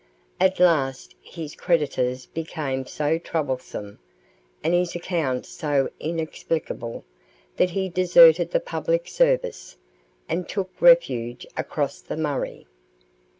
At last his creditors became so troublesome, and his accounts so inexplicable, that he deserted the public service, and took refuge across the Murray.